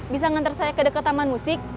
bisa ngantar saya kedekat taman musik